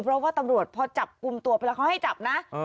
เพราะว่าตำรวจพอจับกลุ่มตัวไปแล้วเขาให้จับนะ